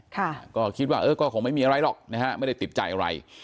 ค่ะก็คิดว่าเออก็คงไม่มีอะไรหรอกนะฮะไม่ได้ติดใจอะไร